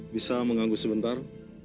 bisa menganggu sebentar